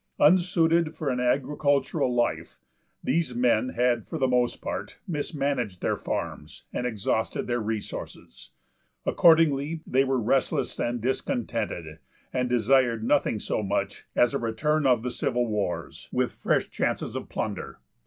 Unsuited for an agricultural life, these men had for the most part mismanaged their farms and exhausted their resources. Accordingly they were restless and discontented, and desired nothing so much as a return of the civil wars, with fresh chances of plunder.